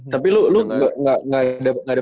tapi lo gak ada